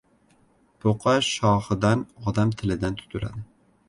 • Buqa shoxidan, odam tilidan tutiladi.